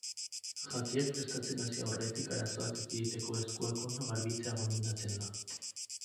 Jakiak prestatzen hasi aurretik arazoak ekiditeko eskuak ondo garbitzea gomendatzen da.